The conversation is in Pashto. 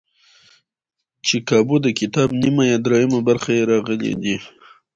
چې کابو دکتاب نیمه یا درېیمه برخه یې راغلي دي.